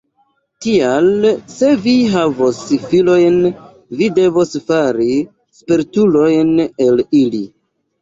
Tial, se vi havos filojn vi devos fari spertulojn el ili.